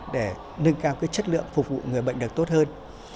để nâng cao chất lượng phục vụ người bệnh được tốt hơn